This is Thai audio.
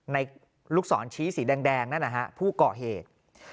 ลูกศรชี้สีแดงนั่นนะฮะผู้ก่อเหตุ